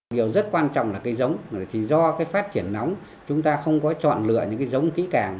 điều rất quan trọng là cây giống do phát triển nóng chúng ta không có chọn lựa những giống kỹ càng